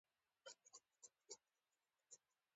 د ننګونو پرضد مقاومت وکړي او پراختیا ومومي.